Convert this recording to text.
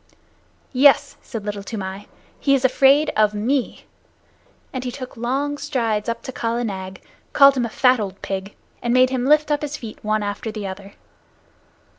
"Yes," said Little Toomai, "he is afraid of me," and he took long strides up to Kala Nag, called him a fat old pig, and made him lift up his feet one after the other.